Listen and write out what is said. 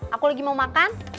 aku lagi mau makan